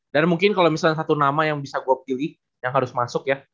dan mungkin kalau misalnya satu nama yang bisa gue pilih yang harus masuk ya